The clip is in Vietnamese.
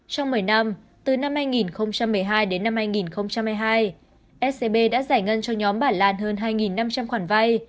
trong một mươi năm từ năm hai nghìn một mươi hai đến năm hai nghìn hai mươi hai scb đã giải ngân cho nhóm bà lan hơn hai năm trăm linh khoản vay